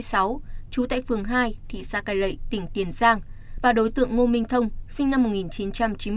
trú tại phường hai thị xã cài lệ tỉnh tiền giang và đối tượng ngô minh thông sinh năm một nghìn chín trăm chín mươi năm